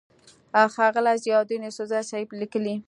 ښاغلے ضياءالدين يوسفزۍ صېب ليکي: